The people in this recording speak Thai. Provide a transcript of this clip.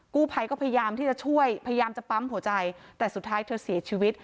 กู้ภัยก็พยายามที่จะช่วยพยายามจะปั๊มหัวใจแต่สุดท้ายเธอเสียชีวิต